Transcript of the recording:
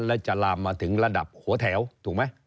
และจะลามมาถึงระดับหัวแถวถูกไหม